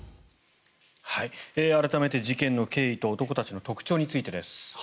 改めて事件の経緯と男たちの特徴についてです。